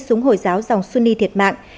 súng hồi giáo dòng sunni thiệt mạng